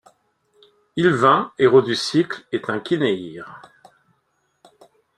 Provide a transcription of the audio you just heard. Ylvain, héros du cycle, est un Kinéïre.